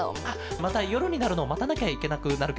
またよるになるのをまたなきゃいけなくなるケロね。